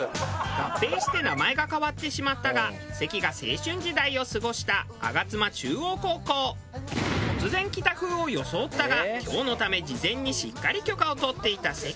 合併して名前が変わってしまったが関が青春時代を過ごした突然来た風を装ったが今日のため事前にしっかり許可を取っていた関。